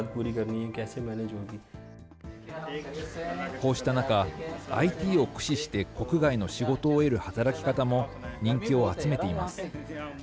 こうした中、ＩＴを駆使して国外の仕事を得る働き方も人気を集めています。